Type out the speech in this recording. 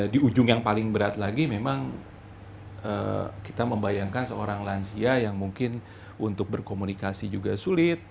di ujung yang paling berat lagi memang kita membayangkan seorang lansia yang mungkin untuk berkomunikasi juga sulit